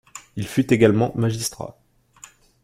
Il fut également magistrat.